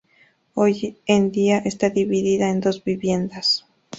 Hoy en día está dividida en dos viviendas.